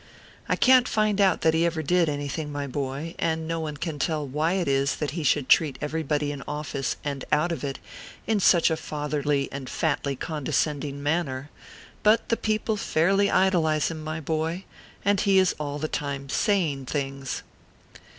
I can t find . out that he ever did anything, my boy, and no one can tell why it is that he should treat everybody in offi.ce and out of it in such a fatherly and fatly condescending manner ; but the people fairly idolize him, my boy, and he is all the time saying things.